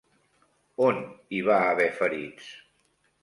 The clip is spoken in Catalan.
On hi va haver ferits?